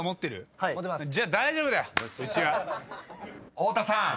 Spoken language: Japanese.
［太田さん